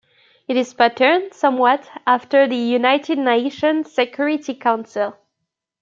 It is patterned somewhat after the United Nations Security Council.